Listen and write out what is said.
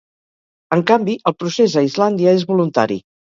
En canvi, el procés a Islàndia és voluntari.